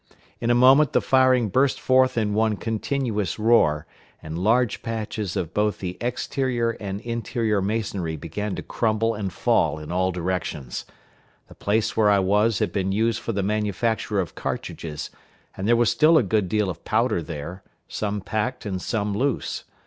In a moment the firing burst forth in one continuous roar, and large patches of both the exterior and interior masonry began to crumble and fall in all directions. The place where I was had been used for the manufacture of cartridges, and there was still a good deal of powder there, some packed and some loose.